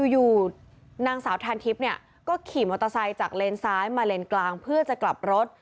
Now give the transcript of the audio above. อยู่นางสาวทานทิพย์เนี่ยก็ขี่มอเตอร์ไซค์จากเลนซ้ายมาเลนกลางเพื่อจะกลับรถ